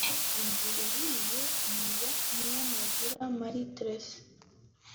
Inzu yahiye ni ya Niyonagira Marie Therese